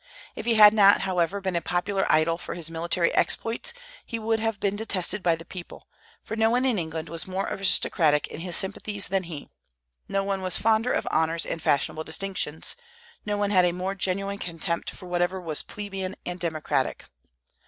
If he had not, however, been a popular idol for his military exploits, he would have been detested by the people; for no one in England was more aristocratic in his sympathies than he, no one was fonder of honors and fashionable distinctions, no one had a more genuine contempt for whatever was plebeian and democratic.